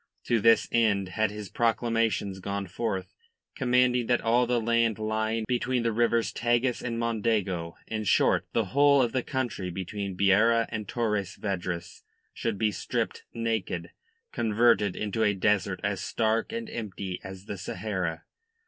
To this end had his proclamations gone forth, commanding that all the land lying between the rivers Tagus and Mondego, in short, the whole of the country between Beira and Torres Vedras, should be stripped naked, converted into a desert as stark and empty as the Sahara.